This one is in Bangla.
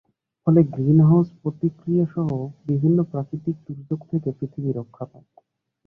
ফলে গ্রিন হাউস প্রতিক্রিয়াসহ বিভিন্ন প্রাকৃতিক দুর্যোগ থেকে পৃথিবী রক্ষা পায়।